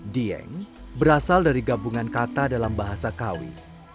dieng berasal dari gabungan kata dalam bahasa kawi